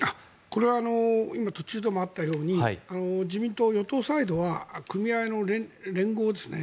これは今途中でもあったように自民党、与党サイドは組合の連合ですね